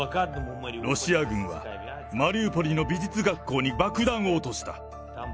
ロシア軍はマリウポリの美術学校に爆弾を落とした。